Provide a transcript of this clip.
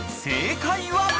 ［正解は］